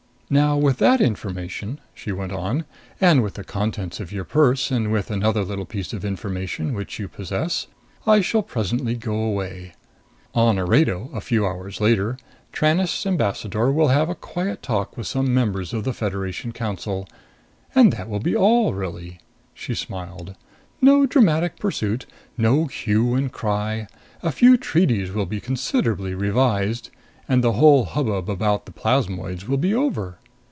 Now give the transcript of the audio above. "Now with that information," she went on, "and with the contents of your purse and with another little piece of information, which you possess, I shall presently go away. On Orado, a few hours later, Tranest's ambassador will have a quiet talk with some members of the Federation Council. And that will be all, really." She smiled. "No dramatic pursuit! No hue and cry! A few treaties will be considerably revised. And the whole hubbub about the plasmoids will be over."